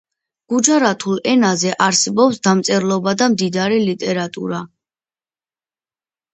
გუჯარათულ ენაზე არსებობს დამწერლობა და მდიდარი ლიტერატურა.